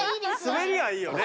滑りはいいよね。